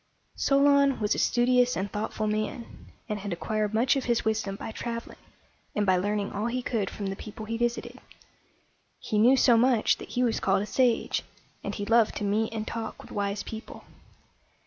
Solon was a studious and thoughtful man, and had acquired much of his wisdom by traveling, and by learning all he could from the people he visited. He knew so much that he was called a sage, and he loved to meet and talk with wise people.